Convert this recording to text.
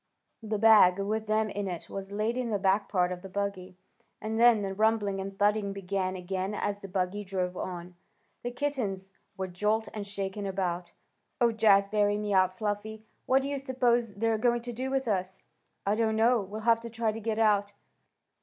The bag, with them in it, was laid in the back part of the buggy, and then the rumbling and thudding began again as the buggy drove on. The kittens were jolted and shaken about. "Oh, Jazbury!" mewed Fluffy. "What do you s'pose they're going to do with us?" "I don't know. We'll have to try to get out."